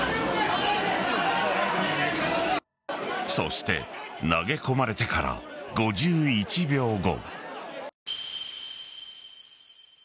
そして投げ込まれてから５１秒後。